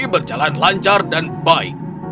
berjalan lancar dan baik